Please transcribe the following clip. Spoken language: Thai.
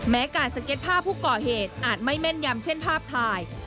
แม้การสเก็ตภาพผู้ก่อเหตุอาจไม่แม่นยำเช่นภาพถ่าย